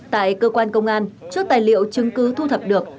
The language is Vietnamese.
tại cơ quan công an trước tài liệu chứng cứ thu thập được